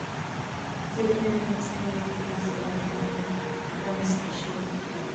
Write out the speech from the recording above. ځلېدنه د مصنوعي او طبیعي څراغونو له امله رامنځته شوې.